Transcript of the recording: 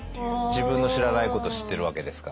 自分の知らないことを知ってるわけですから。